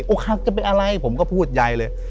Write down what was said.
คักจะเป็นอะไรผมก็พูดใยเลย